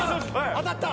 当たった。